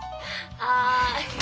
はい。